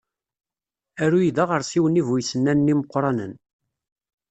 Aruy d aɣersiw-nni bu isennanen imeqqranen.